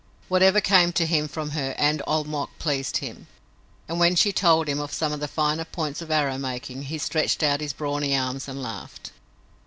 Whatever came to him from her and Old Mok pleased him, and when she told him of some of the finer points of arrow making he stretched out his brawny arms and laughed.